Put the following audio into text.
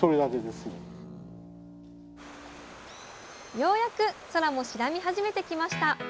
ようやく空も白み始めてきました。